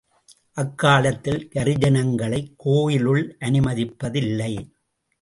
அக்காலத்தில் ஹரிஜனங்களை கோயிலுள் அனுமதிப்புதில்லை.